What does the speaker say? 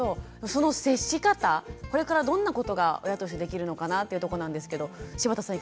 その接し方これからどんなことが親としてできるのかなっていうとこなんですけど柴田さん